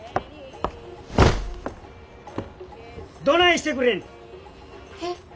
どないしてくれんねん。